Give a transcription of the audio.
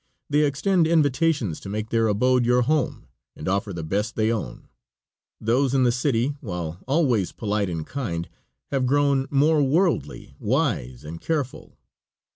They extend invitations to make their abode your home, and offer the best they own. Those in the city, while always polite and kind, have grown more worldly wise and careful.